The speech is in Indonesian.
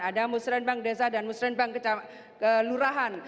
ada musrembang desa dan musrembang kelurahan